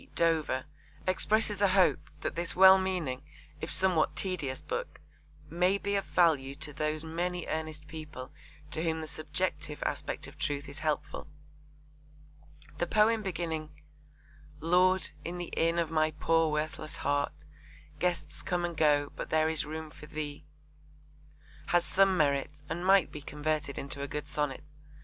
Dover expresses a hope that this well meaning if somewhat tedious book 'may be of value to those many earnest people to whom the subjective aspect of truth is helpful.' The poem beginning Lord, in the inn of my poor worthless heart Guests come and go; but there is room for Thee, has some merit and might be converted into a good sonnet.